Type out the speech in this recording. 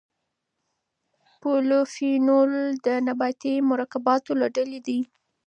پولیفینول د نباتي مرکباتو له ډلې دي.